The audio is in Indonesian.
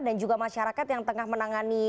dan juga masyarakat yang tengah menangani